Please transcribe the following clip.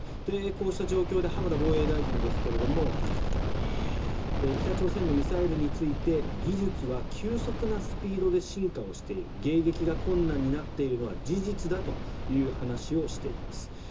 こうした状況で浜田防衛大臣ですけれども北朝鮮のミサイルについて技術は急速なスピードで進化をしている迎撃が困難になっているのは事実だという話をしています。